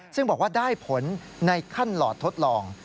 ซึ่งบอกว่าได้ผลในขั้นหลอดทดลอง